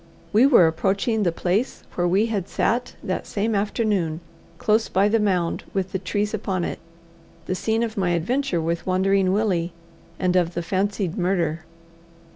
We were approaching the place where we had sat that same afternoon, close by the mound with the trees upon it, the scene of my adventure with Wandering Willie, and of the fancied murder.